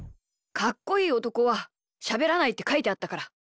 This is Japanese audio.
かっこいいおとこはしゃべらないってかいてあったから。